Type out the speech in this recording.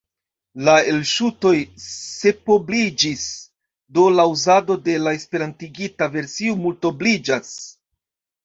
La elŝutoj sepobliĝis, do la uzado de la esperantigita versio multobliĝas.